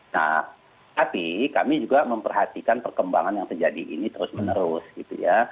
nah tapi kami juga memperhatikan perkembangan yang terjadi ini terus menerus gitu ya